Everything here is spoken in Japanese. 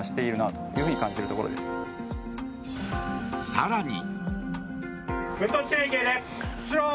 更に。